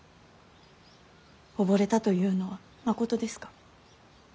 溺れたというのはまことですか。